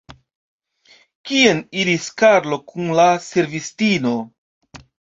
Kien iris Karlo kun la servistino?